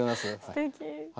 すてき。